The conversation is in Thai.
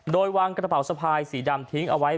โดยวางกระเป๋าสะพายสีดำทิ้งเอาไว้